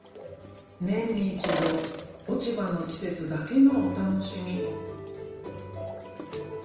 年に一度落ち葉の季節だけのお楽しみ。